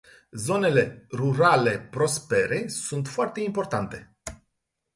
Zonele rurale prospere sunt foarte importante.